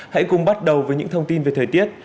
hãy cùng bắt đầu với những thông tin về thời tiết